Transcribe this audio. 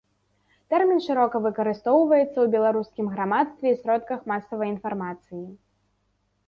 Тэрмін шырока выкарыстоўваецца ў беларускім грамадстве і сродках масавай інфармацыі.